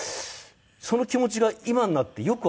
その気持ちが今になってよくわかりますね。